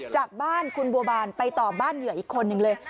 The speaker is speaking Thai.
จากบ้านคุณบัวบานไปต่อบ้านเหยื่ออีกคนนึงเลย